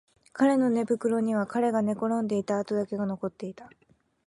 彼の寝袋には彼が寝転んでいた跡だけが残っていた